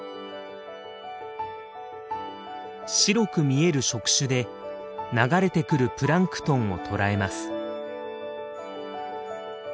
白く見える触手で流れてくるプランクトンを捕らえます。